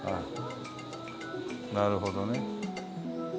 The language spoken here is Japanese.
なるほどね。